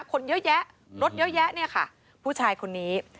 คนเยอะแยะรถเยอะแยะเนี่ยค่ะผู้ชายคนนี้